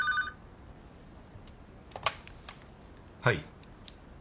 はい。